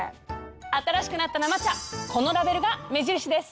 新しくなった生茶このラベルが目印です！